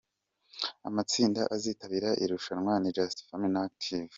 Amatsinda azitabira iri rushanwa ni Just Family na Active.